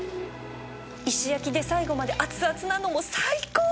石焼きで最後まで熱々なのも最高！